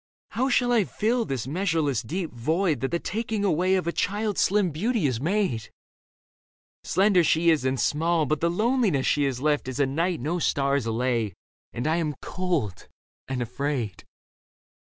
How shall I fill this measureless Deep void that the taking away Of a child's slim beauty has made ? Slender she is and small, but the loneliness She has left is a night no stars allay, And I am cold and afraid.